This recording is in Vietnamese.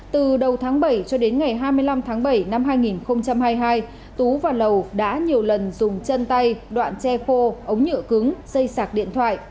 từ đầu tháng bảy cho đến ngày hai mươi năm tháng bảy năm hai nghìn hai mươi hai tú và lầu đã nhiều lần dùng chân tay đoạn che khô ống nhựa cứng dây sạc điện thoại